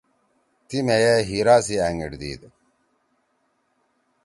تی مھیئے ہیرا سی أنگیِٹ دیِد۔